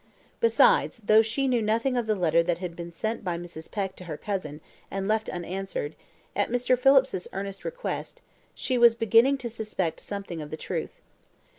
Besides, though she knew nothing of the letter that had been sent by Mrs. Peck to her cousin, and left unanswered, at Mr. Phillips's earnest request, she was beginning to suspect something of the truth.